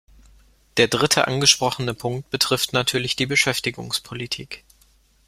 Der dritte angesprochene Punkt betrifft natürlich die Beschäftigungspolitik.